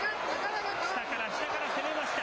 下から下から攻めました。